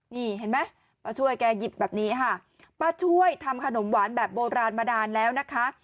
นี่เห็นไหมป้าช่วยแกหยิบแบบนี้ค่ะป้าช่วยทำขนมหวานแบบโบราณมานานแล้วนะคะ